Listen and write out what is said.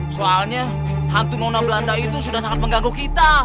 soalnya hantu nona belanda itu sudah sangat mengganggu kita